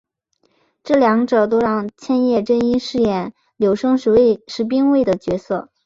这两者都让千叶真一饰演柳生十兵卫的角色。